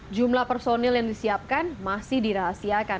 jumlah personil yang disiapkan masih dirahasiakan